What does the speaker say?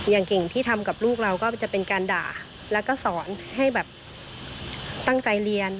อย่างเก่งที่ทำกับลูกเราก็จะเป็นการด่าแล้วก็สอนให้แบบตั้งใจเรียน